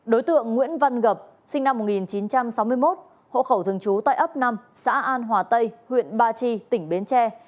đối tượng nguyễn văn gập sinh năm một nghìn chín trăm sáu mươi một hộ khẩu thường trú tại ấp năm xã an hòa tây huyện ba chi tỉnh bến tre